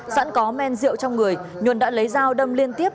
dẫn có men rượu trong người nguồn đã lấy dao đâm liên tiếp